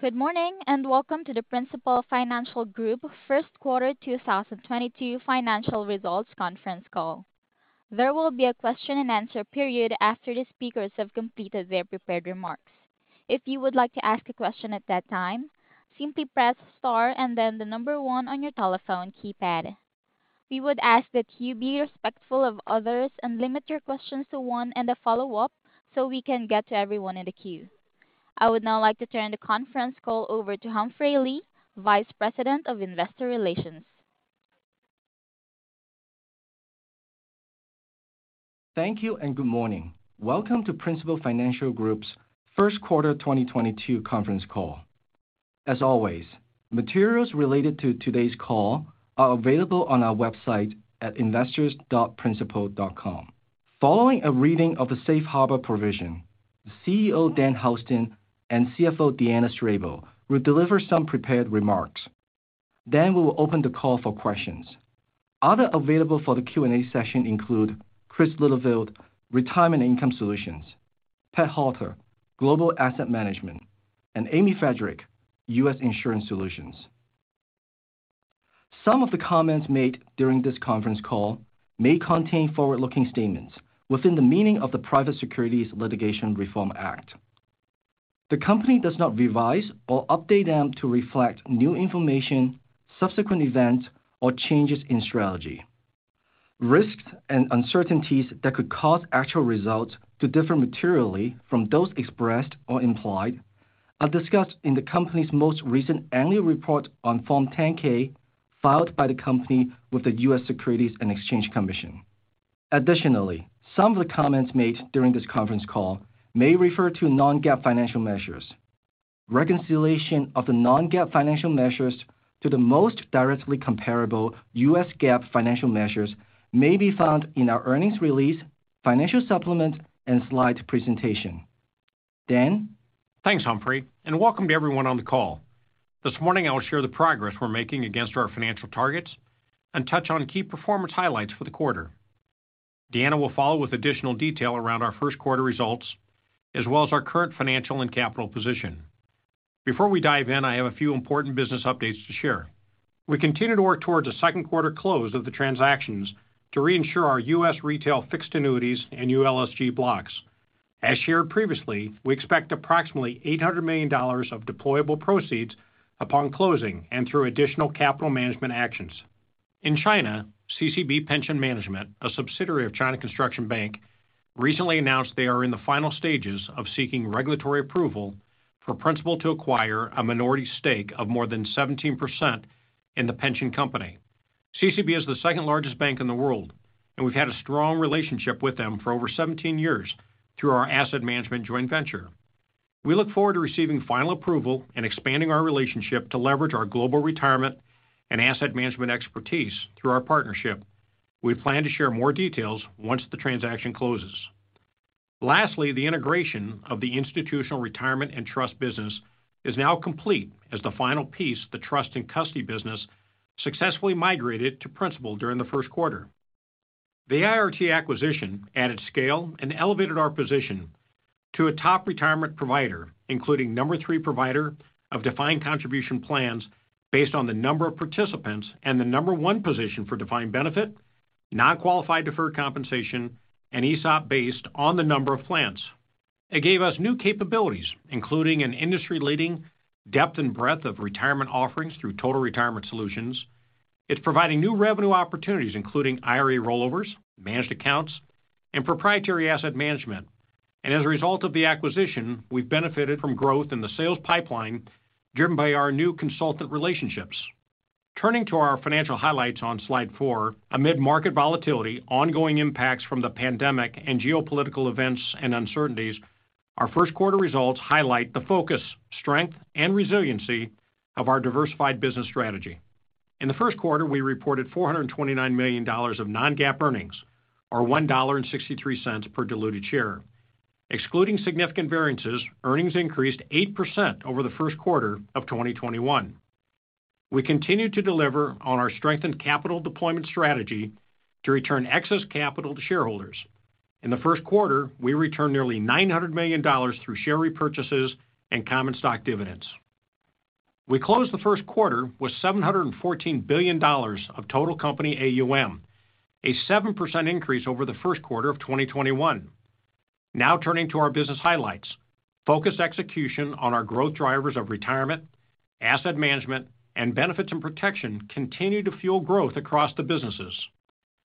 Good morning, and welcome to the Principal Financial Group First Quarter 2022 Financial Results Conference Call. There will be a question-and-answer period after the speakers have completed their prepared remarks. If you would like to ask a question at that time, simply press star and then the number one on your telephone keypad. We would ask that you be respectful of others and limit your questions to one and a follow-up so we can get to everyone in the queue. I would now like to turn the conference call over to Humphrey Lee, Vice President of Investor Relations. Thank you and good morning. Welcome to Principal Financial Group's first quarter 2022 conference call. As always, materials related to today's call are available on our website at investors.principal.com. Following a reading of the safe harbor provision, CEO Dan Houston and CFO Deanna Strable will deliver some prepared remarks. We will open the call for questions. Other available for the Q&A session include Chris Littlefield, Retirement and Income Solutions, Pat Halter, Global Asset Management, and Amy Friedrich, U.S. Insurance Solutions. Some of the comments made during this conference call may contain forward-looking statements within the meaning of the Private Securities Litigation Reform Act. The company does not revise or update them to reflect new information, subsequent events, or changes in strategy. Risks and uncertainties that could cause actual results to differ materially from those expressed or implied are discussed in the company's most recent annual report on Form 10-K filed by the company with the U.S. Securities and Exchange Commission. Additionally, some of the comments made during this conference call may refer to non-GAAP financial measures. Reconciliation of the non-GAAP financial measures to the most directly comparable U.S. GAAP financial measures may be found in our earnings release, financial supplements, and slide presentation. Dan. Thanks, Humphrey, and welcome to everyone on the call. This morning, I will share the progress we're making against our financial targets and touch on key performance highlights for the quarter. Deanna will follow with additional detail around our first quarter results, as well as our current financial and capital position. Before we dive in, I have a few important business updates to share. We continue to work towards a second quarter close of the transactions to reinsure our U.S. retail fixed annuities and ULSG blocks. As shared previously, we expect approximately $800 million of deployable proceeds upon closing and through additional capital management actions. In China, CCB Pension Management, a subsidiary of China Construction Bank, recently announced they are in the final stages of seeking regulatory approval for Principal to acquire a minority stake of more than 17% in the pension company. CCB is the second largest bank in the world, and we've had a strong relationship with them for over 17 years through our asset management joint venture. We look forward to receiving final approval and expanding our relationship to leverage our global retirement and asset management expertise through our partnership. We plan to share more details once the transaction closes. Lastly, the integration of the institutional retirement and trust business is now complete as the final piece, the trust and custody business, successfully migrated to Principal during the first quarter. The IRT acquisition added scale and elevated our position to a top retirement provider, including number three provider of defined contribution plans based on the number of participants and the number one position for defined benefit, non-qualified deferred compensation, and ESOP based on the number of plans. It gave us new capabilities, including an industry-leading depth and breadth of retirement offerings through total retirement solutions. It's providing new revenue opportunities, including IRA rollovers, managed accounts, and proprietary asset management. As a result of the acquisition, we've benefited from growth in the sales pipeline driven by our new consultant relationships. Turning to our financial highlights on slide four, amid market volatility, ongoing impacts from the pandemic and geopolitical events and uncertainties, our first quarter results highlight the focus, strength, and resiliency of our diversified business strategy. In the first quarter, we reported $429 million of non-GAAP earnings or $1.63 per diluted share. Excluding significant variances, earnings increased 8% over the first quarter of 2021. We continue to deliver on our strengthened capital deployment strategy to return excess capital to shareholders. In the first quarter, we returned nearly $900 million through share repurchases and common stock dividends. We closed the first quarter with $714 billion of total company AUM, a 7% increase over the first quarter of 2021. Now turning to our business highlights. Focused execution on our growth drivers of retirement, asset management, and benefits and protection continue to fuel growth across the businesses.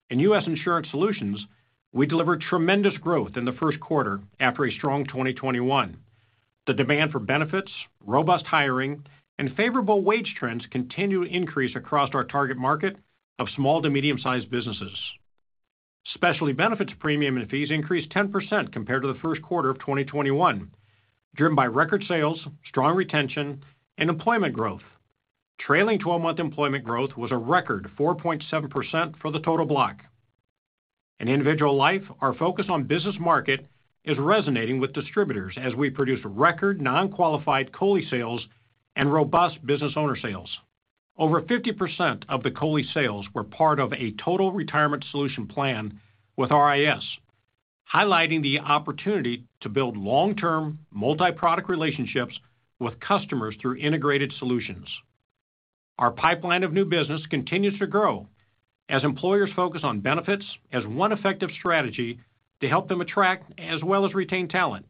In U.S. Insurance Solutions, we delivered tremendous growth in the first quarter after a strong 2021. The demand for benefits, robust hiring, and favorable wage trends continue to increase across our target market of small to medium-sized businesses. Specialty benefits premium and fees increased 10% compared to the first quarter of 2021, driven by record sales, strong retention, and employment growth. Trailing twelve-month employment growth was a record 4.7% for the total block. In individual life, our focus on business market is resonating with distributors as we produced record non-qualified COLI sales and robust business owner sales. Over 50% of the COLI sales were part of a total retirement solution plan with RIS. Highlighting the opportunity to build long-term multiproduct relationships with customers through integrated solutions. Our pipeline of new business continues to grow as employers focus on benefits as one effective strategy to help them attract as well as retain talent.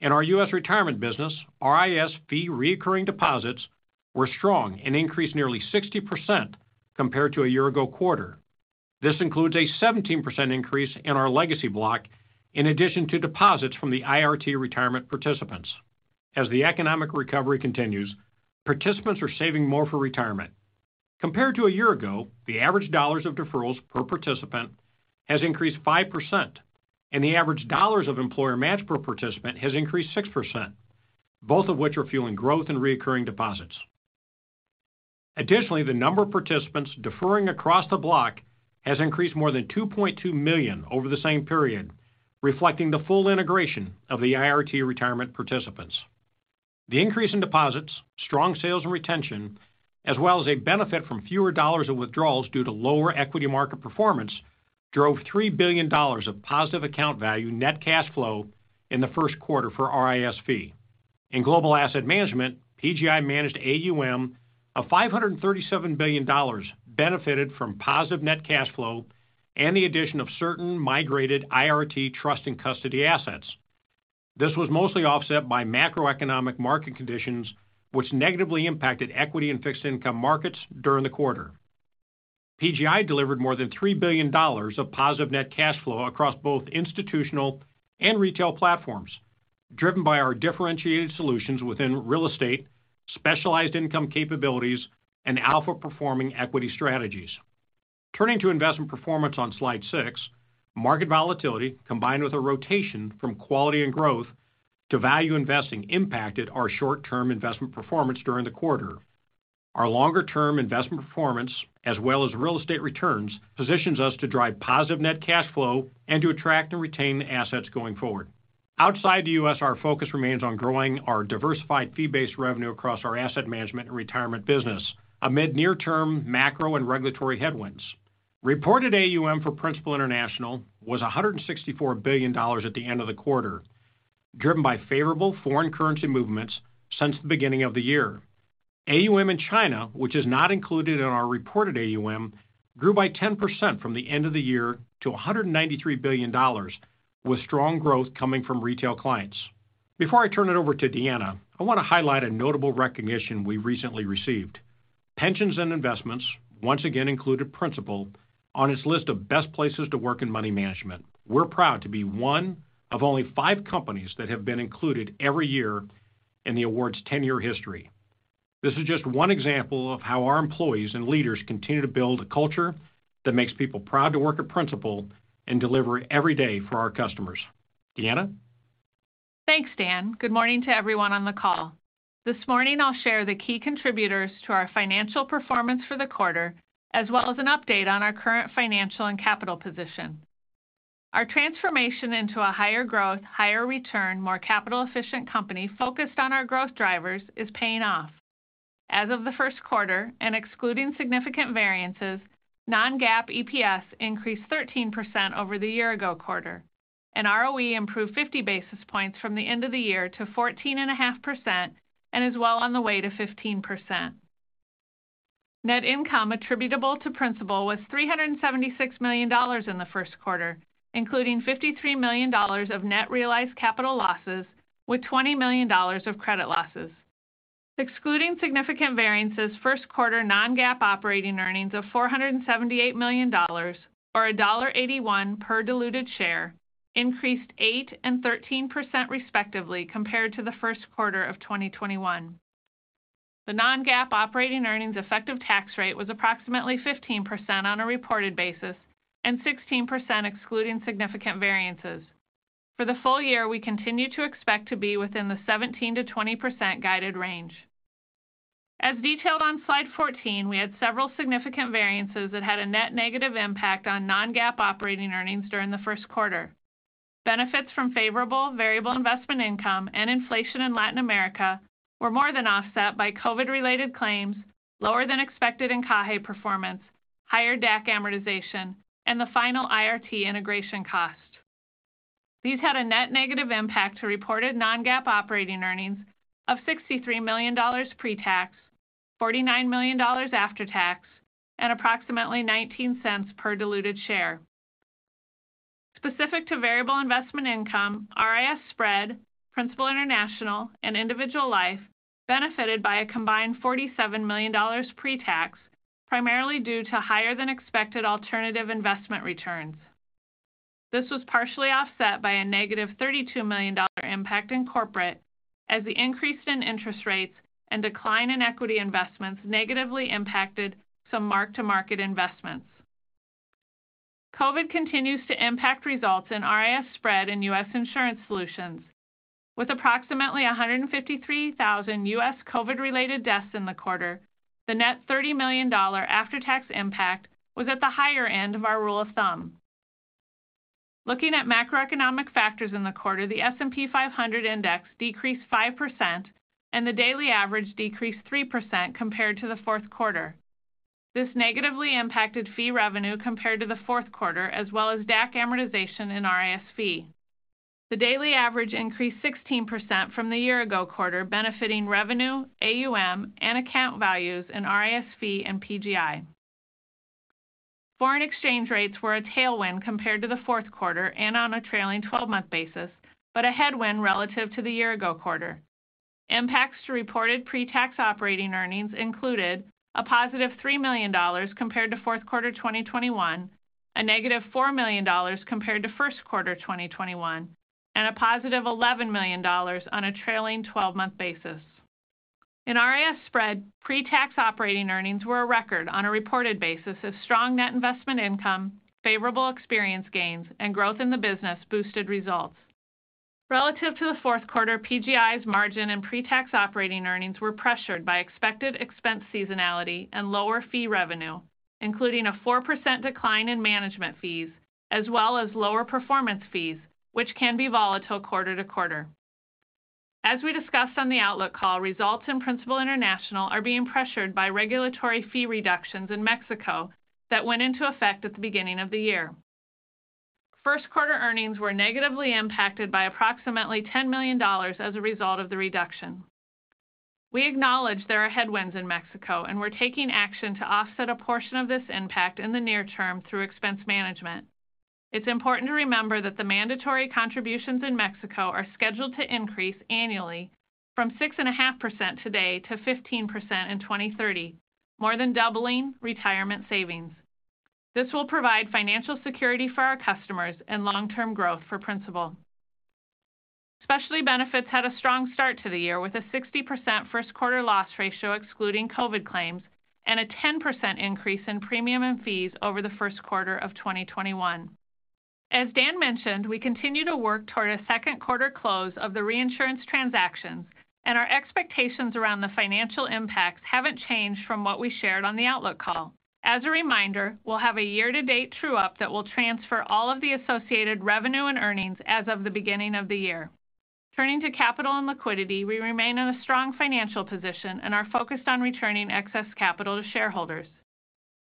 In our U.S. retirement business, RIS fee recurring deposits were strong and increased nearly 60% compared to a year-ago quarter. This includes a 17% increase in our legacy block in addition to deposits from the IRT retirement participants. As the economic recovery continues, participants are saving more for retirement. Compared to a year ago, the average dollars of deferrals per participant has increased 5%, and the average dollars of employer match per participant has increased 6%, both of which are fueling growth in recurring deposits. Additionally, the number of participants deferring across the block has increased more than 2.2 million over the same period, reflecting the full integration of the IRT retirement participants. The increase in deposits, strong sales and retention, as well as a benefit from fewer dollars of withdrawals due to lower equity market performance, drove $3 billion of positive account value net cash flow in the first quarter for RIS fee. In global asset management, PGI managed AUM of $537 billion benefited from positive net cash flow and the addition of certain migrated IRT trust and custody assets. This was mostly offset by macroeconomic market conditions, which negatively impacted equity and fixed income markets during the quarter. PGI delivered more than $3 billion of positive net cash flow across both institutional and retail platforms, driven by our differentiated solutions within real estate, specialized income capabilities, and alpha performing equity strategies. Turning to investment performance on slide six, market volatility combined with a rotation from quality and growth to value investing impacted our short-term investment performance during the quarter. Our longer-term investment performance, as well as real estate returns, positions us to drive positive net cash flow and to attract and retain the assets going forward. Outside the U.S., our focus remains on growing our diversified fee-based revenue across our asset management and retirement business amid near-term macro and regulatory headwinds. Reported AUM for Principal International was $164 billion at the end of the quarter, driven by favorable foreign currency movements since the beginning of the year. AUM in China, which is not included in our reported AUM, grew by 10% from the end of the year to $193 billion, with strong growth coming from retail clients. Before I turn it over to Deanna, I want to highlight a notable recognition we recently received. Pensions & Investments once again included Principal on its list of best places to work in money management. We're proud to be one of only five companies that have been included every year in the awards ten-year history. This is just one example of how our employees and leaders continue to build a culture that makes people proud to work at Principal and deliver every day for our customers. Deanna? Thanks, Dan. Good morning to everyone on the call. This morning I'll share the key contributors to our financial performance for the quarter, as well as an update on our current financial and capital position. Our transformation into a higher growth, higher return, more capital efficient company focused on our growth drivers is paying off. As of the first quarter and excluding significant variances, non-GAAP EPS increased 13% over the year ago quarter, and ROE improved 50 basis points from the end of the year to 14.5% and is well on the way to 15%. Net income attributable to Principal was $376 million in the first quarter, including $53 million of net realized capital losses with $20 million of credit losses. Excluding significant variances, first quarter non-GAAP operating earnings of $478 million or $1.81 per diluted share increased 8% and 13% respectively compared to the first quarter of 2021. The non-GAAP operating earnings effective tax rate was approximately 15% on a reported basis and 16% excluding significant variances. For the full year, we continue to expect to be within the 17%-20% guided range. As detailed on slide 14, we had several significant variances that had a net negative impact on non-GAAP operating earnings during the first quarter. Benefits from favorable variable investment income and inflation in Latin America were more than offset by COVID-related claims, lower than expected encaje performance, higher DAC amortization, and the final IRT integration cost. These had a net negative impact to reported non-GAAP operating earnings of $63 million pre-tax, $49 million after-tax, and approximately 19 cents per diluted share. Specific to variable investment income, RIS-Spread, Principal International, and Individual Life benefited by a combined $47 million pre-tax, primarily due to higher than expected alternative investment returns. This was partially offset by a negative $32 million dollar impact in corporate as the increase in interest rates and decline in equity investments negatively impacted some mark-to-market investments. COVID continues to impact results in RIS-Spread in U.S. Insurance Solutions. With approximately 153,000 U.S. COVID-related deaths in the quarter, the net $30 million dollar after-tax impact was at the higher end of our rule of thumb. Looking at macroeconomic factors in the quarter, the S&P 500 index decreased 5% and the daily average decreased 3% compared to the fourth quarter. This negatively impacted fee revenue compared to the fourth quarter, as well as DAC amortization in RIS fee. The daily average increased 16% from the year ago quarter, benefiting revenue, AUM, and account values in RIS fee and PGI. Foreign exchange rates were a tailwind compared to the fourth quarter and on a trailing twelve-month basis, but a headwind relative to the year ago quarter. Impacts to reported pre-tax operating earnings included a positive $3 million compared to fourth quarter 2021, a negative $4 million compared to first quarter 2021, and a positive $11 million on a trailing twelve-month basis. In RIS-Spread, pre-tax operating earnings were a record on a reported basis as strong net investment income, favorable experience gains, and growth in the business boosted results. Relative to the fourth quarter, PGI's margin and pre-tax operating earnings were pressured by expected expense seasonality and lower fee revenue, including a 4% decline in management fees, as well as lower performance fees, which can be volatile quarter to quarter. As we discussed on the outlook call, results in Principal International are being pressured by regulatory fee reductions in Mexico that went into effect at the beginning of the year. First quarter earnings were negatively impacted by approximately $10 million as a result of the reduction. We acknowledge there are headwinds in Mexico, and we're taking action to offset a portion of this impact in the near term through expense management. It's important to remember that the mandatory contributions in Mexico are scheduled to increase annually from 6.5% today to 15% in 2030, more than doubling retirement savings. This will provide financial security for our customers and long-term growth for Principal. Specialty benefits had a strong start to the year with a 60% first quarter loss ratio excluding COVID claims and a 10% increase in premium and fees over the first quarter of 2021. As Dan mentioned, we continue to work toward a second quarter close of the reinsurance transactions, and our expectations around the financial impacts haven't changed from what we shared on the outlook call. As a reminder, we'll have a year-to-date true up that will transfer all of the associated revenue and earnings as of the beginning of the year. Turning to capital and liquidity, we remain in a strong financial position and are focused on returning excess capital to shareholders.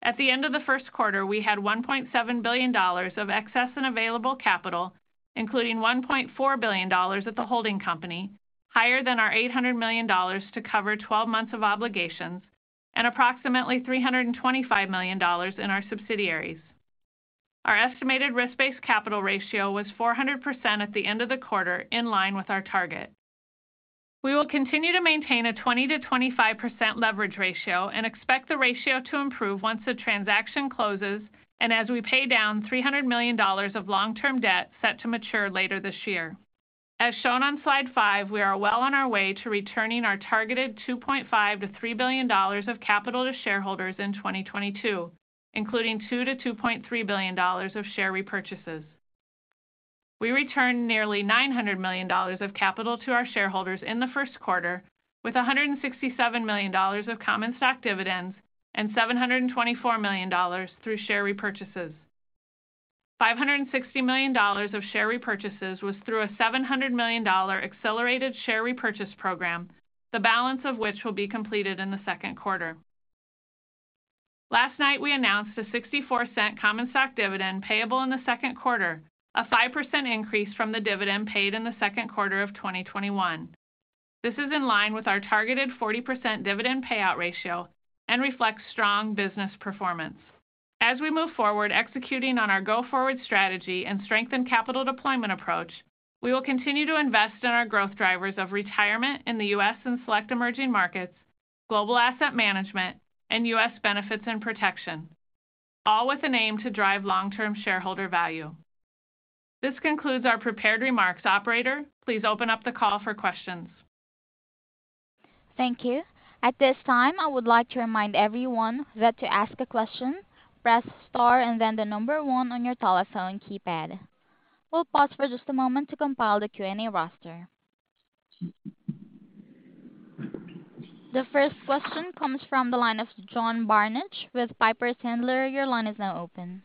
At the end of the first quarter, we had $1.7 billion of excess and available capital, including $1.4 billion at the holding company, higher than our $800 million to cover 12 months of obligations, and approximately $325 million in our subsidiaries. Our estimated risk-based capital ratio was 400% at the end of the quarter, in line with our target. We will continue to maintain a 20%-25% leverage ratio and expect the ratio to improve once the transaction closes and as we pay down $300 million of long-term debt set to mature later this year. As shown on slide five, we are well on our way to returning our targeted $2.5-$3 billion of capital to shareholders in 2022, including $2-$2.3 billion of share repurchases. We returned nearly $900 million of capital to our shareholders in the first quarter, with $167 million of common stock dividends and $724 million through share repurchases. $560 million of share repurchases was through a $700 million accelerated share repurchase program, the balance of which will be completed in the second quarter. Last night, we announced a $0.64 common stock dividend payable in the second quarter, a 5% increase from the dividend paid in the second quarter of 2021. This is in line with our targeted 40% dividend payout ratio and reflects strong business performance. As we move forward executing on our go-forward strategy and strengthened capital deployment approach, we will continue to invest in our growth drivers of retirement in the U.S. and select emerging markets, global asset management, and U.S. benefits and protection, all with an aim to drive long-term shareholder value. This concludes our prepared remarks. Operator, please open up the call for questions. Thank you. At this time, I would like to remind everyone that to ask a question, press Star and then the number one on your telephone keypad. We'll pause for just a moment to compile the Q&A roster. The first question comes from the line of John Barnidge with Piper Sandler. Your line is now open.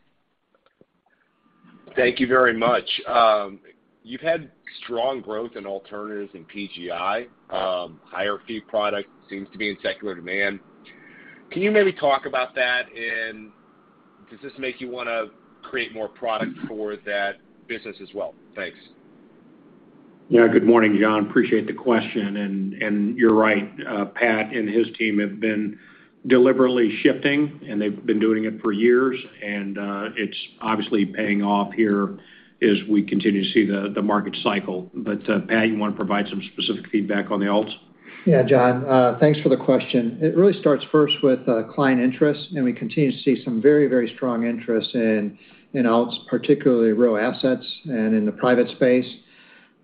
Thank you very much. You've had strong growth in alternatives in PGI. Higher fee product seems to be in secular demand. Can you maybe talk about that? Does this make you want to create more product for that business as well? Thanks. Yeah. Good morning, John. Appreciate the question. You're right. Pat and his team have been deliberately shifting, and they've been doing it for years. It's obviously paying off here as we continue to see the market cycle. Pat, you want to provide some specific feedback on the alts? Yeah, John, thanks for the question. It really starts first with client interest, and we continue to see some very, very strong interest in alts, particularly real assets and in the private space.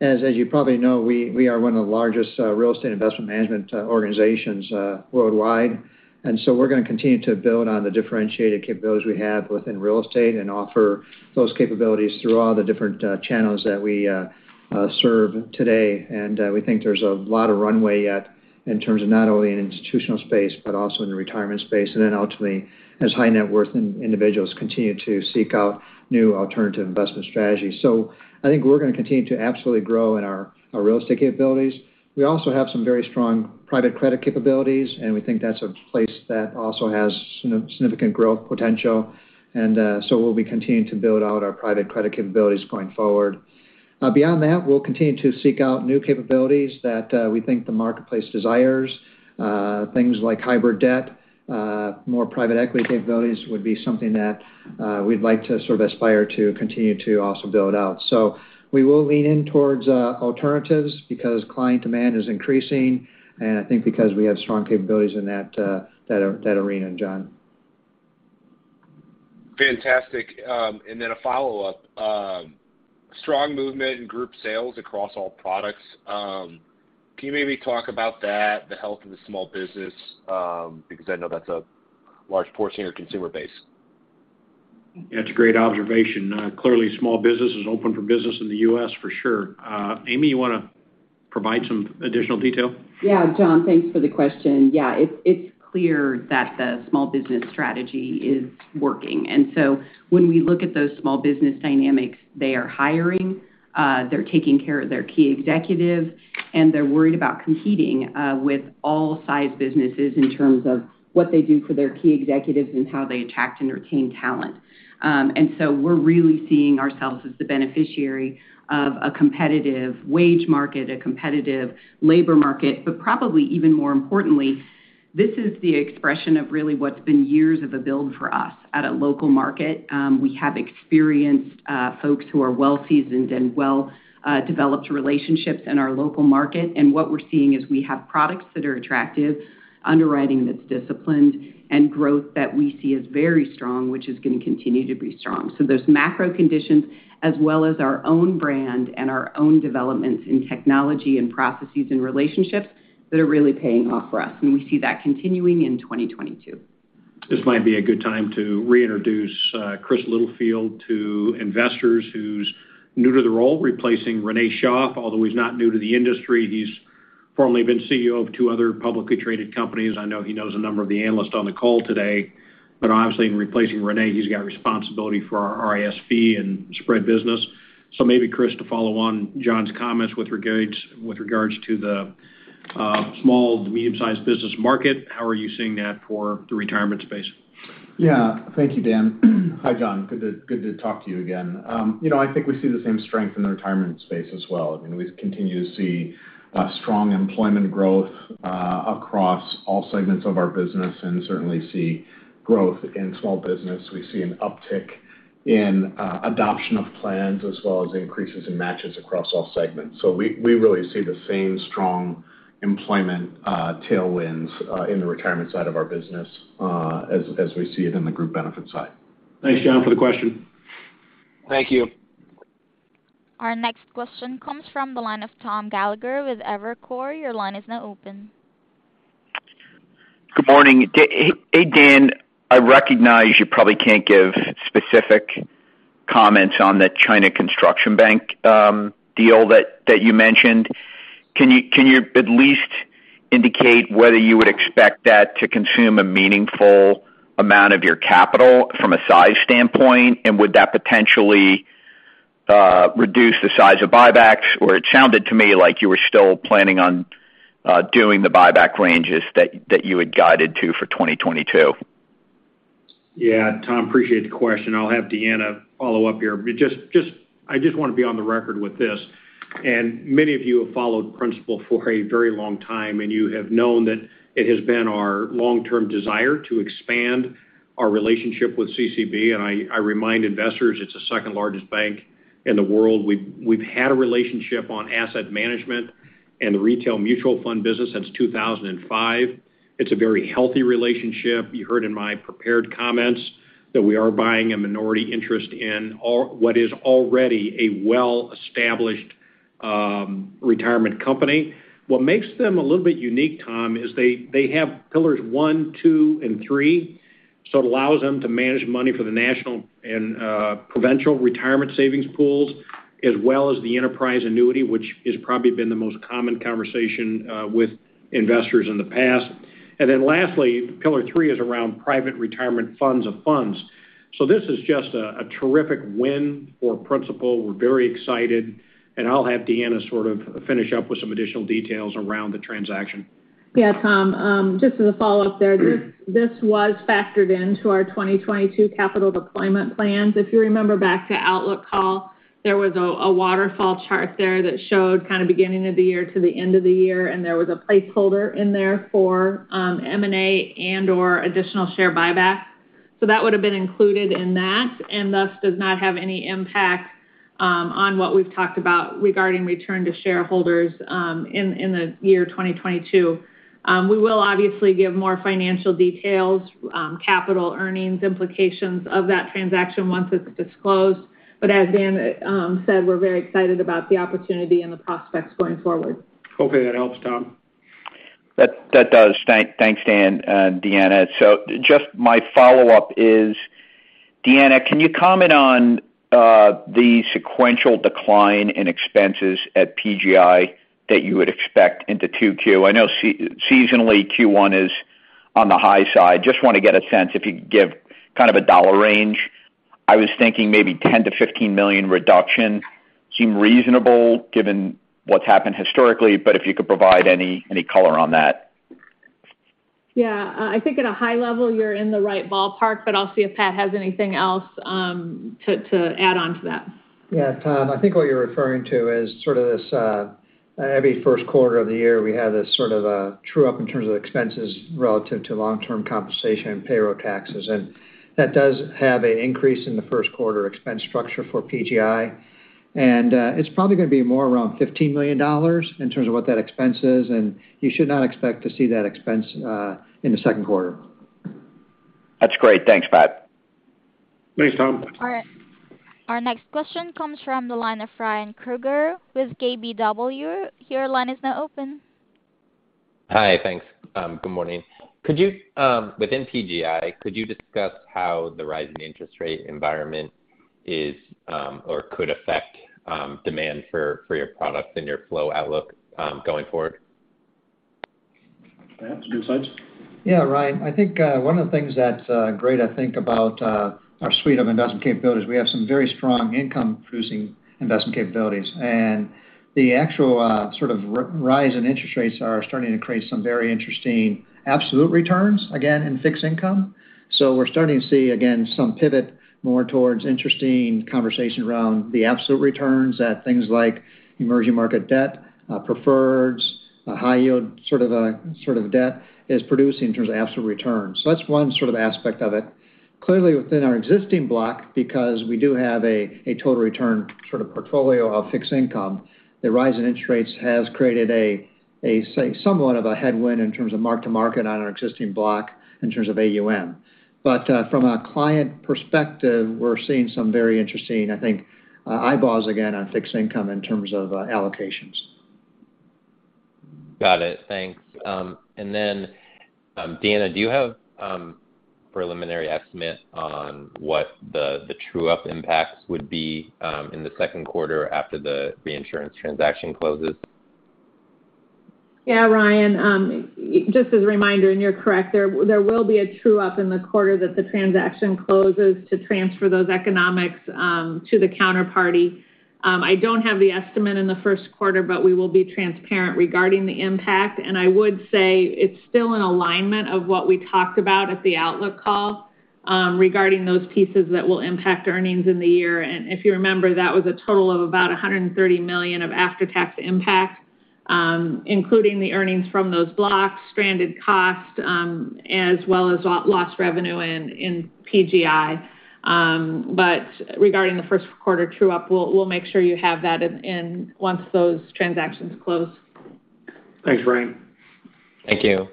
As you probably know, we are one of the largest real estate investment management organizations worldwide. We think there's a lot of runway yet in terms of not only in institutional space but also in the retirement space, and then ultimately as high net worth individuals continue to seek out new alternative investment strategies. I think we're gonna continue to absolutely grow in our real estate capabilities. We also have some very strong private credit capabilities, and we think that's a place that also has significant growth potential. We'll be continuing to build out our private credit capabilities going forward. Beyond that, we'll continue to seek out new capabilities that we think the marketplace desires. Things like hybrid debt, more private equity capabilities would be something that we'd like to sort of aspire to continue to also build out. We will lean in toward alternatives because client demand is increasing, and I think because we have strong capabilities in that arena, John. Fantastic. A follow-up. Strong movement in group sales across all products. Can you maybe talk about that, the health of the small business? Because I know that's a large portion of your consumer base, That's a great observation. Clearly, small business is open for business in the U.S. for sure. Amy, you want to provide some additional detail? Yeah. John, thanks for the question. Yeah. It's clear that the small business strategy is working. When we look at those small business dynamics, they are hiring, they're taking care of their key executives, and they're worried about competing with all size businesses in terms of what they do for their key executives and how they attract and retain talent. We're really seeing ourselves as the beneficiary of a competitive wage market, a competitive labor market. Probably even more importantly, this is the expression of really what's been years of a build for us at a local market. We have experienced folks who are well-seasoned and well developed relationships in our local market. What we're seeing is we have products that are attractive, underwriting that's disciplined, and growth that we see as very strong, which is gonna continue to be strong. There's macro conditions as well as our own brand and our own developments in technology and processes and relationships that are really paying off for us, and we see that continuing in 2022. This might be a good time to reintroduce Chris Littlefield to investors who's new to the role, replacing Renee Schaaf, although he's not new to the industry. He's formerly been CEO of two other publicly traded companies. I know he knows a number of the analysts on the call today. Obviously, in replacing Renee, he's got responsibility for our RIS fee and Spread business. Maybe Chris, to follow on John's comments with regards to the small to medium-sized business market, how are you seeing that for the retirement space? Yeah. Thank you, Dan. Hi, John. Good to talk to you again. You know, I think we see the same strength in the retirement space as well. I mean, we continue to see strong employment growth across all segments of our business and certainly see growth in small business. We see an uptick in adoption of plans as well as increases in matches across all segments. We really see the same strong employment tailwinds in the retirement side of our business as we see it in the group benefit side. Thanks, John, for the question. Thank you. Our next question comes from the line of Tom Gallagher with Evercore. Your line is now open. Good morning. Hey, Dan. I recognize you probably can't give specific comments on the China Construction Bank deal that you mentioned. Can you at least indicate whether you would expect that to consume a meaningful amount of your capital from a size standpoint? Would that potentially reduce the size of buybacks? It sounded to me like you were still planning on doing the buyback ranges that you had guided to for 2022. Yeah. Tom, appreciate the question. I'll have Deanna follow up here. But I just want to be on the record with this. Many of you have followed Principal for a very long time, and you have known that it has been our long-term desire to expand our relationship with CCB, and I remind investors it's the second largest bank in the world. We've had a relationship on asset management and the retail mutual fund business since 2005. It's a very healthy relationship. You heard in my prepared comments that we are buying a minority interest in what is already a well-established retirement company. What makes them a little bit unique, Tom, is they have pillars one, two, and three, so it allows them to manage money for the national and provincial retirement savings pools, as well as the enterprise annuity, which has probably been the most common conversation with investors in the past. Then lastly, pillar three is around private retirement funds of funds. This is just a terrific win for Principal. We're very excited, and I'll have Deanna sort of finish up with some additional details around the transaction. Yeah, Tom. Just as a follow-up there, this was factored into our 2022 capital deployment plans. If you remember back to Outlook Call, there was a waterfall chart there that showed kind of beginning of the year to the end of the year, and there was a placeholder in there for M&A and/or additional share buyback. That would've been included in that, and thus does not have any impact on what we've talked about regarding return to shareholders in the year 2022. We will obviously give more financial details, capital earnings implications of that transaction once it's disclosed. As Dan said, we're very excited about the opportunity and the prospects going forward. Okay, that helps, Tom. That does. Thanks, Dan, Deanna. Just my follow-up is, Deanna, can you comment on the sequential decline in expenses at PGI that you would expect into 2Q? I know seasonally Q1 is on the high side. Just want a get a sense if you could give kind of a dollar range. I was thinking maybe $10 million-$15 million reduction seem reasonable given what's happened historically, but if you could provide any color on that. Yeah. I think at a high level, you're in the right ballpark, but I'll see if Pat has anything else, to add on to that. Yeah. Tom, I think what you're referring to is sort of this every first quarter of the year, we have this sort of a true up in terms of expenses relative to long-term compensation and payroll taxes. That does have an increase in the first quarter expense structure for PGI. It's probably gonna be more around $15 million in terms of what that expense is, and you should not expect to see that expense in the second quarter. That's great. Thanks, Pat. Thanks, Tom. All right. Our next question comes from the line of Ryan Krueger with KBW. Your line is now open. Hi. Thanks. Good morning. Could you within PGI discuss how the rise in interest rate environment is or could affect demand for your product and your flow outlook going forward? Pat, any insights? Yeah, Ryan. I think, one of the things that's, great, I think about, our suite of investment capabilities, we have some very strong income producing investment capabilities. The actual, sort of rise in interest rates are starting to create some very interesting absolute returns, again in fixed income. We're starting to see, again, some pivot more towards interesting conversation around the absolute returns at things like emerging market debt, preferreds, high yield, sort of debt is producing in terms of absolute returns. That's one sort of aspect of it. Clearly within our existing block, because we do have a total return sort of portfolio of fixed income, the rise in interest rates has created a say somewhat of a headwind in terms of mark-to-market on our existing block in terms of AUM. From a client perspective, we're seeing some very interesting, I think, eyeballs again on fixed income in terms of allocations. Got it. Thanks. Deanna, do you have preliminary estimate on what the true up impacts would be in the second quarter after the reinsurance transaction closes? Yeah, Ryan. Just as a reminder, and you're correct, there will be a true up in the quarter that the transaction closes to transfer those economics to the counterparty. I don't have the estimate in the first quarter, but we will be transparent regarding the impact. I would say it's still in alignment of what we talked about at the outlook call regarding those pieces that will impact earnings in the year. If you remember, that was a total of about $130 million of after-tax impact, including the earnings from those blocks, stranded costs, as well as lost revenue in PGI. But regarding the first quarter true up, we'll make sure you have that once those transactions close. Thanks, Ryan. Thank you.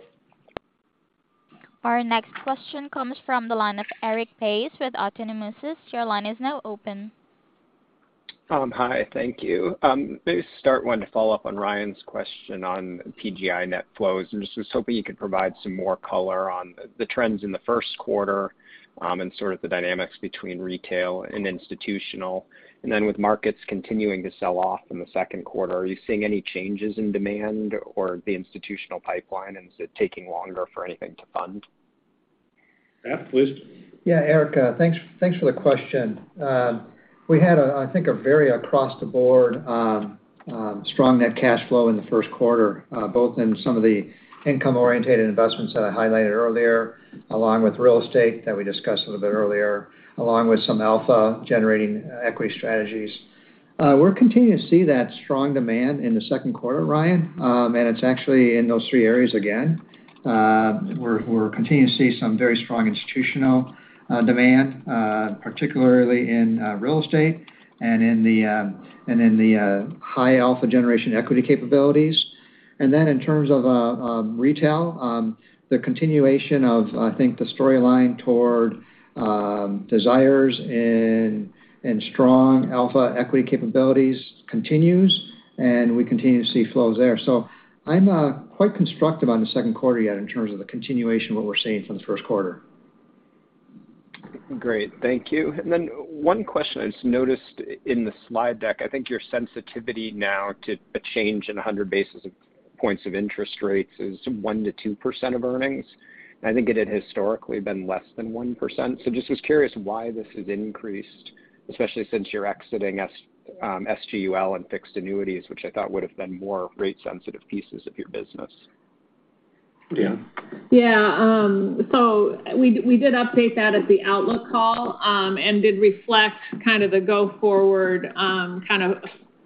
Our next question comes from the line of Erik Bass with Autonomous. Your line is now open. Hi. Thank you. Maybe start with a follow-up on Ryan's question on PGI net flows. I was just hoping you could provide some more color on the trends in the first quarter, and sort of the dynamics between retail and institutional. With markets continuing to sell off in the second quarter, are you seeing any changes in demand or the institutional pipeline? Is it taking longer for anything to fund? Pat, please. Yeah, Erik, thanks for the question. We had, I think, a very across the board strong net cash flow in the first quarter, both in some of the income-oriented investments that I highlighted earlier, along with real estate that we discussed a little bit earlier, along with some alpha generating equity strategies. We're continuing to see that strong demand in the second quarter, Ryan, and it's actually in those three areas again. We're continuing to see some very strong institutional demand, particularly in real estate and in the high alpha generation equity capabilities. In terms of retail, the continuation of the storyline toward higher yields and strong alpha equity capabilities continues, and we continue to see flows there. I'm quite constructive on the second quarter yet in terms of the continuation of what we're seeing from the first quarter. Great. Thank you. One question I just noticed in the slide deck, I think your sensitivity now to a change in 100 basis points of interest rates is 1%-2% of earnings. I think it had historically been less than 1%. Just was curious why this has increased, especially since you're exiting ULSG and fixed annuities, which I thought would have been more rate sensitive pieces of your business. Deanna? Yeah. So we did update that at the outlook call and did reflect kind of the go forward kind of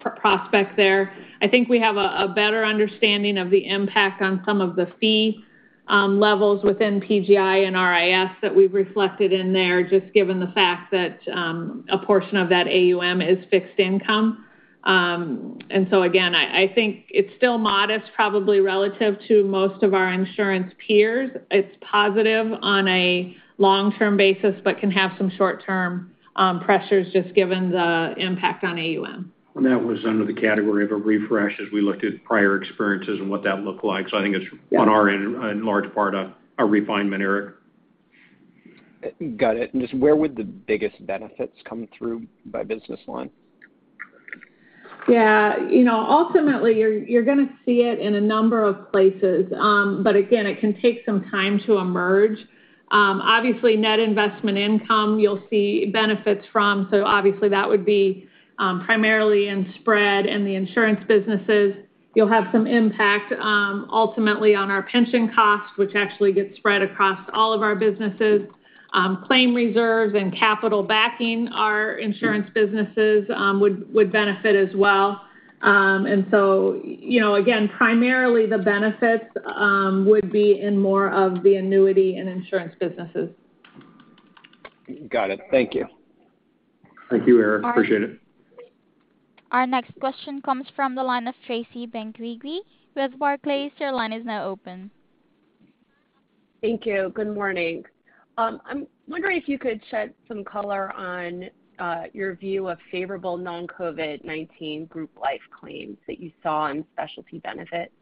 prospect there. I think we have a better understanding of the impact on some of the fee levels within PGI and RIS that we've reflected in there, just given the fact that a portion of that AUM is fixed income. Again, I think it's still modest, probably relative to most of our insurance peers. It's positive on a long-term basis, but can have some short-term pressures just given the impact on AUM. That was under the category of a refresh as we looked at prior experiences and what that looked like. I think it's on our end, a large part of a refinement, Erik. Got it. Just where would the biggest benefits come through by business line? Yeah. You know, ultimately, you're gonna see it in a number of places. Again, it can take some time to emerge. Obviously, net investment income, you'll see benefits from. Obviously, that would be primarily in spread and the insurance businesses. You'll have some impact ultimately on our pension cost, which actually gets spread across all of our businesses. Claim reserves and capital backing our insurance businesses would benefit as well. You know, again, primarily the benefits would be in more of the annuity and insurance businesses. Got it. Thank you. Thank you, Erik. Appreciate it. Our next question comes from the line of Tracy Benguigui with Barclays. Your line is now open. Thank you. Good morning. I'm wondering if you could shed some color on your view of favorable non-COVID-19 group life claims that you saw in specialty benefits?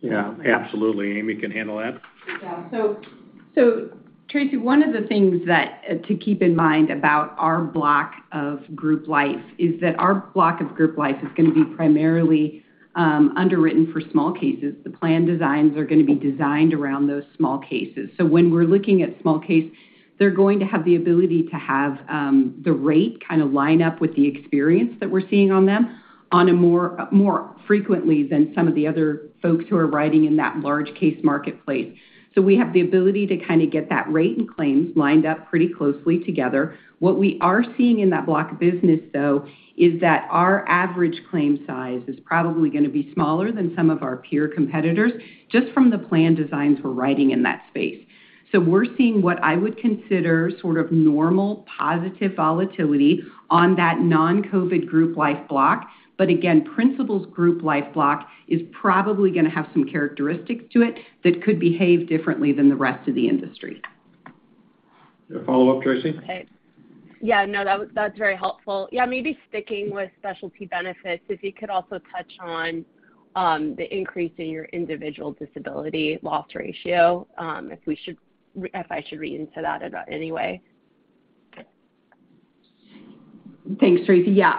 Yeah. Absolutely. Amy can handle that. Yeah. Tracy, one of the things that to keep in mind about our block of group life is that our block of group life is gonna be primarily underwritten for small cases. The plan designs are gonna be designed around those small cases. When we're looking at small case, they're going to have the ability to have the rate kind of line up with the experience that we're seeing on them more frequently than some of the other folks who are writing in that large case marketplace. We have the ability to kind of get that rate and claims lined up pretty closely together. What we are seeing in that block of business, though, is that our average claim size is probably gonna be smaller than some of our peer competitors just from the plan designs we're writing in that space. We're seeing what I would consider sort of normal positive volatility on that non-COVID group life block. Again, Principal's group life block is probably gonna have some characteristics to it that could behave differently than the rest of the industry. Follow-up, Tracy? Yeah, no. That's very helpful. Yeah, maybe sticking with specialty benefits, if you could also touch on the increase in your individual disability loss ratio, if I should read into that in any way. Thanks, Tracy. Yeah.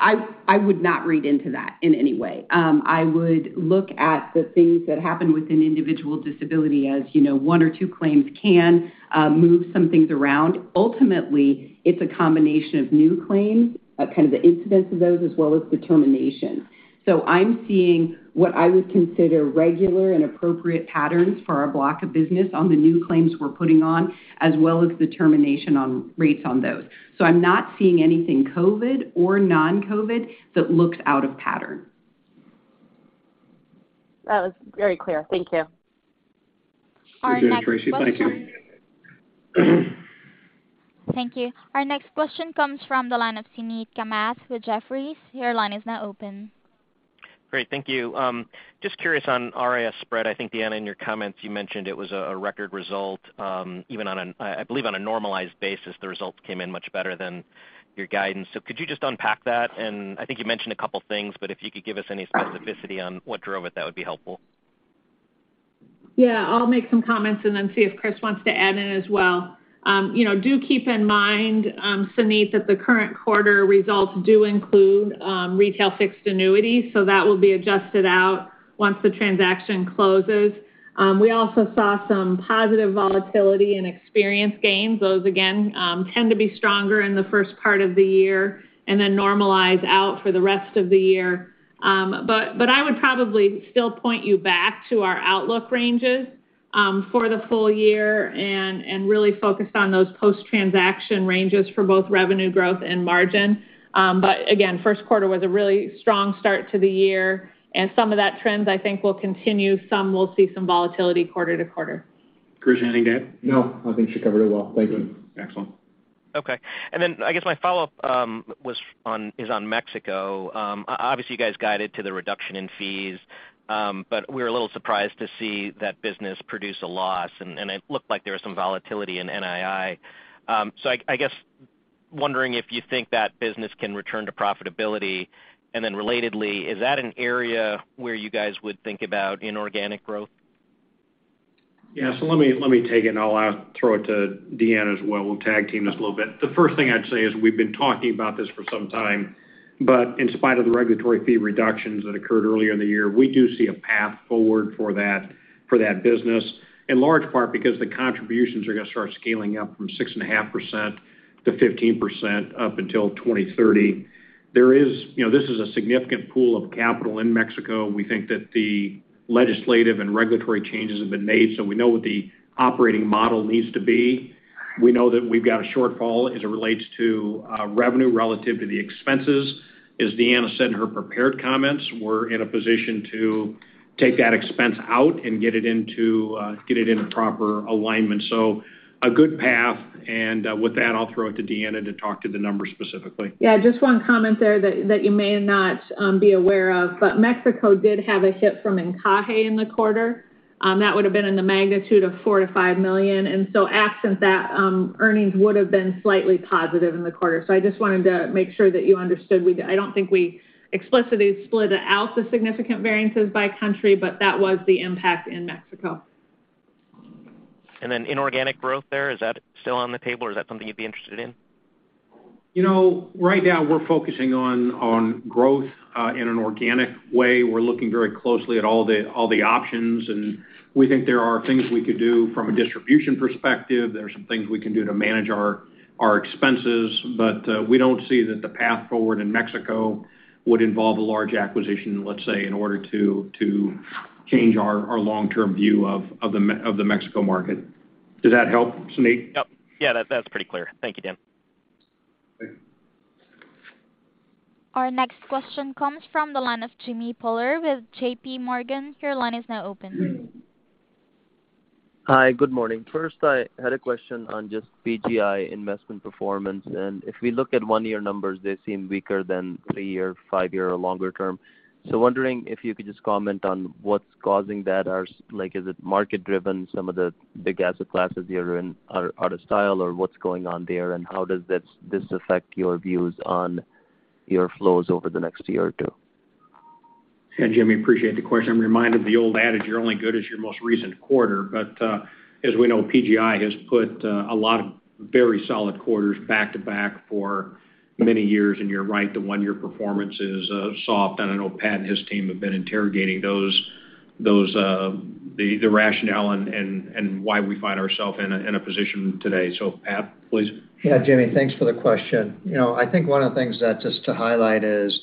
I would not read into that in any way. I would look at the things that happen within individual disability. As you know, one or two claims can move some things around. Ultimately, it's a combination of new claims, kind of the incidence of those as well as the termination. I'm seeing what I would consider regular and appropriate patterns for our block of business on the new claims we're putting on, as well as the termination on rates on those. I'm not seeing anything COVID or non-COVID that looks out of pattern. That was very clear. Thank you. Appreciate it, Tracy. Thank you. Thank you. Our next question comes from the line of Suneet Kamath with Jefferies. Your line is now open. Great. Thank you. Just curious on RIS spread. I think, Deanna, in your comments, you mentioned it was a record result, even on a normalized basis, the results came in much better than your guidance. Could you just unpack that? I think you mentioned a couple things, but if you could give us any specificity on what drove it, that would be helpful. Yeah. I'll make some comments and then see if Chris wants to add in as well. You know, do keep in mind, Suneet, that the current quarter results do include retail fixed annuities, so that will be adjusted out once the transaction closes. We also saw some positive volatility and experience gains. Those, again, tend to be stronger in the first part of the year and then normalize out for the rest of the year. But I would probably still point you back to our outlook ranges for the full year and really focus on those post-transaction ranges for both revenue growth and margin. But again, first quarter was a really strong start to the year, and some of that trends I think will continue. Some we'll see volatility quarter to quarter. Chris, anything to add? No, I think she covered it well. Thank you. Excellent. Okay. I guess my follow-up is on Mexico. Obviously, you guys guided to the reduction in fees, but we're a little surprised to see that business produce a loss, and it looked like there was some volatility in NII. I guess wondering if you think that business can return to profitability. Relatedly, is that an area where you guys would think about inorganic growth? Yeah. Let me take it, and I'll throw it to Deanna as well. We'll tag team this a little bit. The first thing I'd say is we've been talking about this for some time, but in spite of the regulatory fee reductions that occurred earlier in the year, we do see a path forward for that business, in large part because the contributions are gonna start scaling up from 6.5% to 15% up until 2030. There is, you know, this is a significant pool of capital in Mexico. We think that the legislative and regulatory changes have been made, so we know what the operating model needs to be. We know that we've got a shortfall as it relates to revenue relative to the expenses. As Deanna has said in her prepared comments, we're in a position to take that expense out and get it in proper alignment. A good path. With that, I'll throw it to Deanna to talk to the numbers specifically. Yeah, just one comment there that you may not be aware of, but Mexico did have a hit from encaje in the quarter. That would've been in the magnitude of $4 million-$5 million. Absent that, earnings would've been slightly positive in the quarter. I just wanted to make sure that you understood. I don't think we explicitly split out the significant variances by country, but that was the impact in Mexico. Inorganic growth there, is that still on the table, or is that something you'd be interested in? You know, right now we're focusing on growth in an organic way. We're looking very closely at all the options, and we think there are things we could do from a distribution perspective. There are some things we can do to manage our expenses, but we don't see that the path forward in Mexico would involve a large acquisition, let's say, in order to change our long-term view of the Mexico market. Does that help, Suneet? Yep. Yeah, that's pretty clear. Thank you, Dan. Thank you. Our next question comes from the line of Jimmy Bhullar with JPMorgan. Your line is now open. Hi. Good morning. First, I had a question on just PGI investment performance. If we look at one-year numbers, they seem weaker than three-year, five-year or longer term. Wondering if you could just comment on what's causing that. Like, is it market driven, some of the big asset classes you're in are out of style, or what's going on there, and how does this affect your views on your flows over the next year or two? Yeah, Jimmy, appreciate the question. I'm reminded of the old adage, you're only good as your most recent quarter. As we know, PGI has put a lot of very solid quarters back to back for many years. You're right, the one-year performance is soft, and I know Pat and his team have been interrogating those, the rationale and why we find ourselves in a position today. Pat, please. Yeah. Jimmy, thanks for the question. You know, I think one of the things that just to highlight is,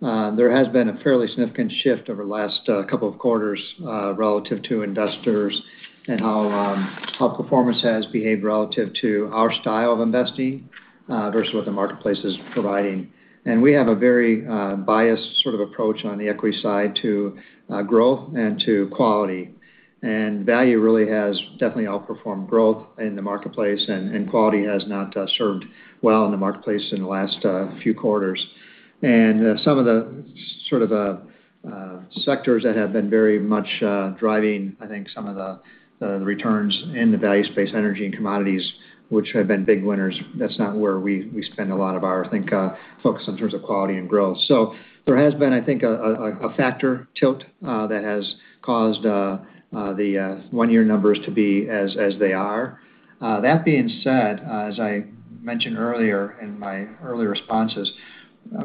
there has been a fairly significant shift over the last, couple of quarters, relative to investors and how performance has behaved relative to our style of investing, versus what the marketplace is providing. We have a very, biased sort of approach on the equity side to, growth and to quality. Value really has definitely outperformed growth in the marketplace, and quality has not, served well in the marketplace in the last, few quarters. Some of the sort of sectors that have been very much driving, I think, some of the returns in the value space, energy and commodities, which have been big winners, that's not where we spend a lot of our, I think, focus in terms of quality and growth. There has been, I think, a factor tilt that has caused the one-year numbers to be as they are. That being said, as I mentioned earlier in my earlier responses,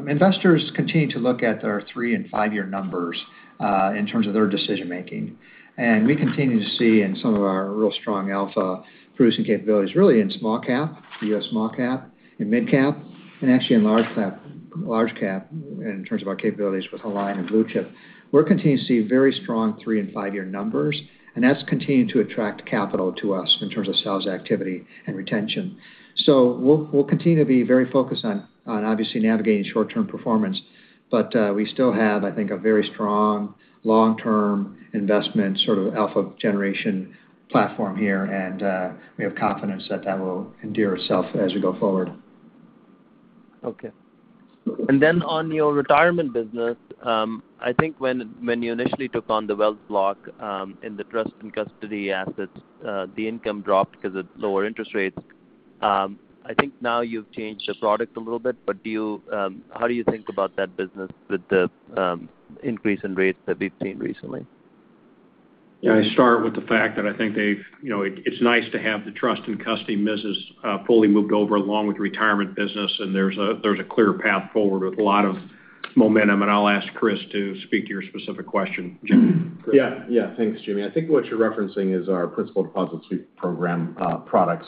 investors continue to look at our three and five-year numbers in terms of their decision making. We continue to see in some of our really strong alpha producing capabilities, really in small cap, U.S. small cap and midcap, and actually in large cap, large cap in terms of our capabilities with Aligned and Blue Chip. We're continuing to see very strong three and five-year numbers, and that's continuing to attract capital to us in terms of sales activity and retention. We'll continue to be very focused on obviously navigating short-term performance. We still have, I think, a very strong long-term investment, sort of alpha generation platform here. We have confidence that that will endear itself as we go forward. Okay. Then on your retirement business, I think when you initially took on the wealth block and the trust and custody assets, the income dropped because of lower interest rates. I think now you've changed the product a little bit, but how do you think about that business with the increase in rates that we've seen recently? Yeah, I start with the fact that I think they've, you know, it's nice to have the trust and custody business fully moved over along with the retirement business, and there's a clear path forward with a lot of momentum. I'll ask Chris to speak to your specific question, Jimmy. Yeah. Thanks, Jimmy. I think what you're referencing is our Bank Deposit Sweep program product.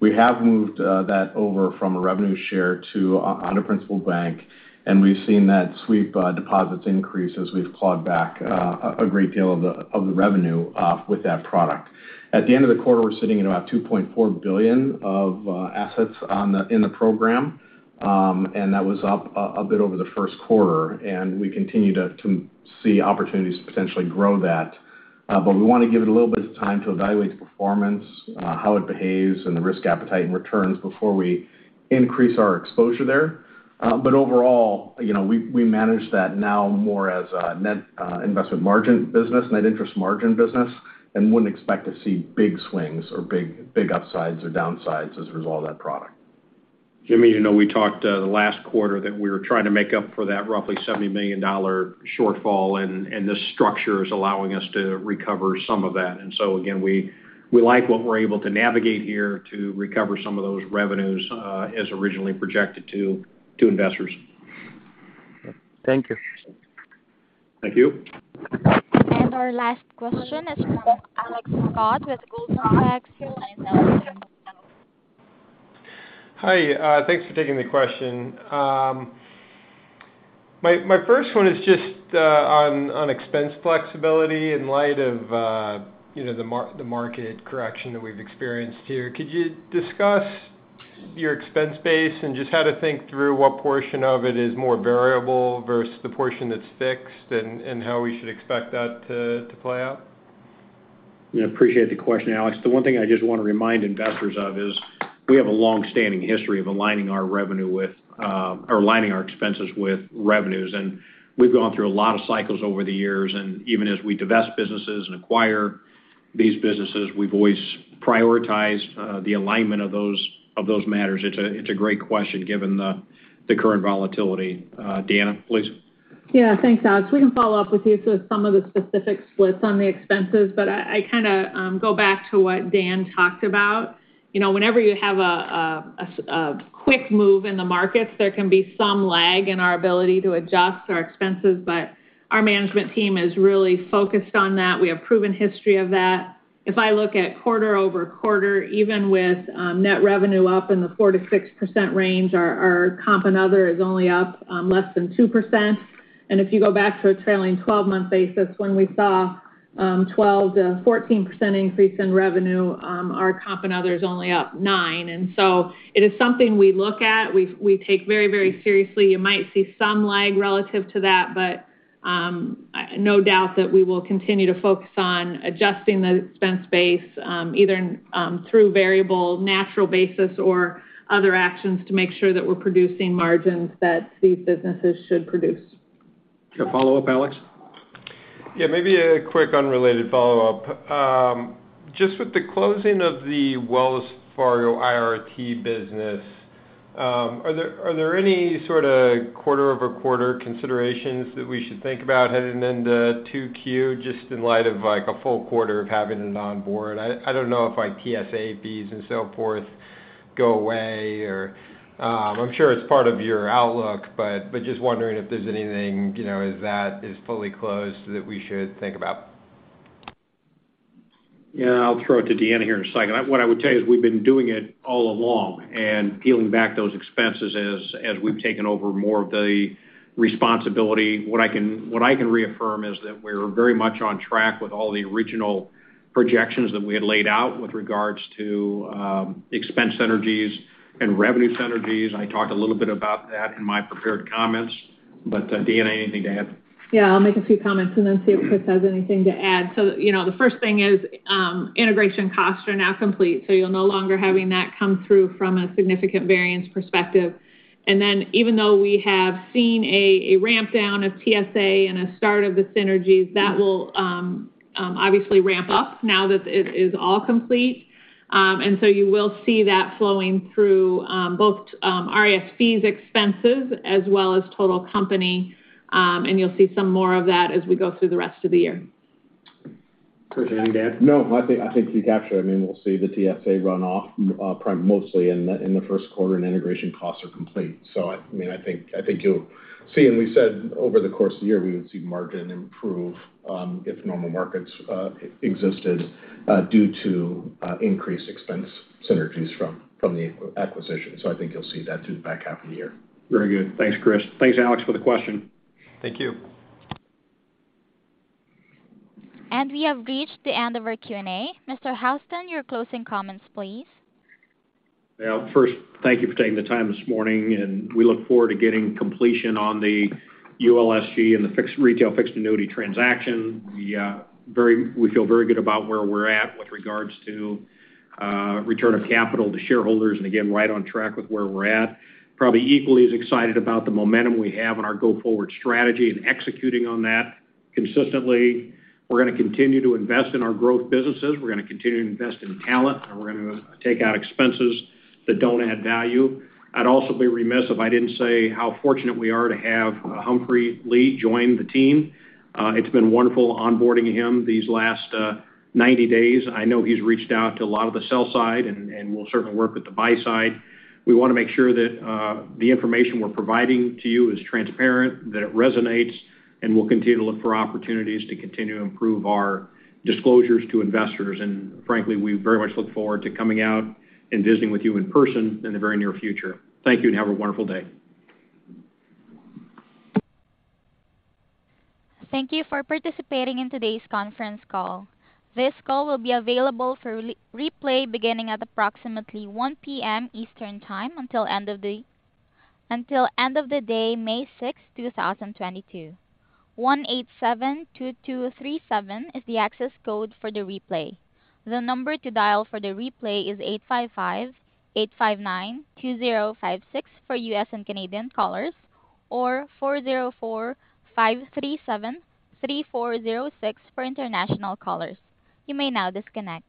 We have moved that over from a revenue share to on a Principal Bank, and we've seen that sweep deposits increase as we've clawed back a great deal of the revenue with that product. At the end of the quarter, we're sitting at about $2.4 billion of assets in the program. That was up a bit over the first quarter, and we continue to see opportunities to potentially grow that. We want to give it a little bit of time to evaluate the performance, how it behaves and the risk appetite and returns before we increase our exposure there. Overall, you know, we manage that now more as a net investment margin business, net interest margin business, and wouldn't expect to see big swings or big upsides or downsides as a result of that product. Jimmy, you know, we talked the last quarter that we were trying to make up for that roughly $70 million shortfall, and this structure is allowing us to recover some of that. Again, we like what we're able to navigate here to recover some of those revenues as originally projected to investors. Thank you. Thank you. Our last question is from Alex Scott with Goldman Sachs. Your line is now open. Hi. Thanks for taking the question. My first one is just on expense flexibility in light of you know the market correction that we've experienced here. Could you discuss your expense base and just how to think through what portion of it is more variable versus the portion that's fixed and how we should expect that to play out? Yeah. Appreciate the question, Alex. The one thing I just want to remind investors of is we have a long-standing history of aligning our revenue with, or aligning our expenses with revenues. We've gone through a lot of cycles over the years. Even as we divest businesses and acquire these businesses, we've always prioritized the alignment of those matters. It's a great question given the current volatility. Deanna, please. Yeah. Thanks, Alex. We can follow up with you to some of the specific splits on the expenses, but I kinda go back to what Dan talked about. You know, whenever you have a quick move in the markets, there can be some lag in our ability to adjust our expenses, but our management team is really focused on that. We have proven history of that. If I look at quarter-over-quarter, even with net revenue up in the 4%-6% range, our comp and other is only up less than 2%. If you go back to a trailing twelve-month basis when we saw 12%-14% increase in revenue, our comp and other is only up 9%. It is something we look at, we take very, very seriously. You might see some lag relative to that, but no doubt that we will continue to focus on adjusting the expense base, either through variable natural basis or other actions to make sure that we're producing margins that these businesses should produce. A follow-up, Alex? Yeah, maybe a quick unrelated follow-up. Just with the closing of the Wells Fargo IRT business, are there any sorta quarter-over-quarter considerations that we should think about heading into 2Q, just in light of, like, a full quarter of having it on board? I don't know if, like, TSAs and so forth go away or, I'm sure it's part of your outlook, but just wondering if there's anything, you know, as that is fully closed that we should think about. Yeah, I'll throw it to Deanna here in a second. What I would tell you is we've been doing it all along and peeling back those expenses as we've taken over more of the responsibility. What I can reaffirm is that we're very much on track with all the original projections that we had laid out with regards to expense synergies and revenue synergies. I talked a little bit about that in my prepared comments, but Deanna, anything to add? Yeah, I'll make a few comments and then see if Chris has anything to add. You know, the first thing is integration costs are now complete, so you're no longer having that come through from a significant variance perspective. Even though we have seen a ramp down of TSA and a start of the synergies, that will obviously ramp up now that it is all complete. You will see that flowing through both RIS fee fees expenses as well as total company, and you'll see some more of that as we go through the rest of the year. Chris, anything to add? No, I think you captured. I mean, we'll see the TSA run off mostly in the first quarter, and integration costs are complete. I mean, I think you'll see, and we said over the course of the year we would see margin improve if normal markets existed due to increased expense synergies from the acquisition. I think you'll see that through the back half of the year. Very good. Thanks, Chris. Thanks, Alex, for the question. Thank you. We have reached the end of our Q&A. Mr. Houston, your closing comments, please. Well, first, thank you for taking the time this morning, and we look forward to getting completion on the ULSG and the fixed retail fixed annuity transaction. We feel very good about where we're at with regards to return of capital to shareholders and again, right on track with where we're at. Probably equally as excited about the momentum we have on our go-forward strategy and executing on that consistently. We're gonna continue to invest in our growth businesses. We're gonna continue to invest in talent, and we're gonna take out expenses that don't add value. I'd also be remiss if I didn't say how fortunate we are to have Humphrey Lee join the team. It's been wonderful onboarding him these last 90 days. I know he's reached out to a lot of the sell side and will certainly work with the buy side. We want to make sure that the information we're providing to you is transparent, that it resonates, and we'll continue to look for opportunities to continue to improve our disclosures to investors. Frankly, we very much look forward to coming out and visiting with you in person in the very near future. Thank you, and have a wonderful day. Thank you for participating in today's conference call. This call will be available for replay beginning at approximately 1 P.M. Eastern Time until the end of the day, May 6, 2022. 1872237 is the access code for the replay. The number to dial for the replay is 855-859-2056 for U.S. and Canadian callers or 404-537-3406 for international callers. You may now disconnect.